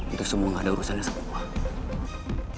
itu semua gak ada urusan yang sama gue